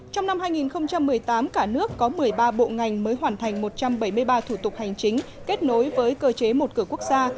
trong năm hai nghìn một mươi tám cả nước có một mươi ba bộ ngành mới hoàn thành một trăm bảy mươi ba thủ tục hành chính kết nối với cơ chế một cửa quốc gia